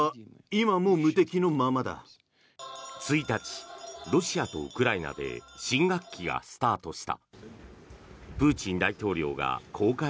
１日、ロシアとウクライナで新学期がスタートした。